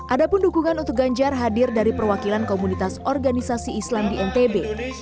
ada pun dukungan untuk ganjar hadir dari perwakilan komunitas organisasi islam di ntb